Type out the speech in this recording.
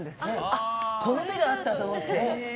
あ、この手があったと思って。